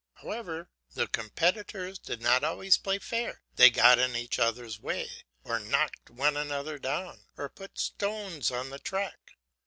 However, the competitors did not always play fair, they got in each other's way, or knocked one another down, or put stones on the track.